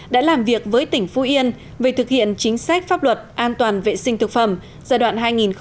đã làm việc với tỉnh phú yên về thực hiện chính sách pháp luật an toàn vệ sinh thực phẩm giai đoạn hai nghìn một mươi tám hai nghìn hai mươi